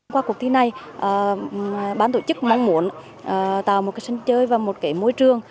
qua cuộc thi này bán tổ chức mong muốn tạo một cái sân chơi và một cái môi trường